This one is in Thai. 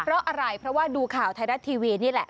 เพราะอะไรเพราะว่าดูข่าวไทยรัฐทีวีนี่แหละ